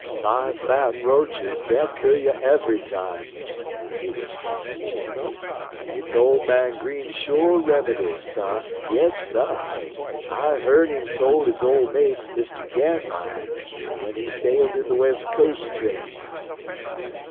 " five fat roaches; they'll cure you every time," he was saying to Chips. "It's old man Green's sure remedy, sah, yes, sah. I hearn him tole his ole mate, Mr. Gantline, when he sailed in the West Coast trade."